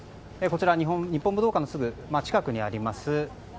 こちら日本武道館のすぐ近くにあります